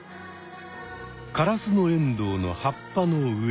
カラスノエンドウの葉っぱの上。